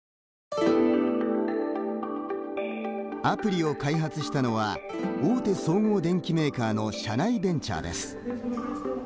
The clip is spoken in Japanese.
アプリを開発したのは大手総合電機メーカーの社内ベンチャーです。